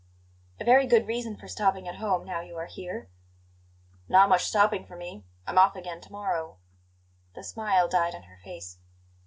"A very good reason for stopping at home now you are here." "Not much stopping for me; I'm off again to morrow." The smile died on her face.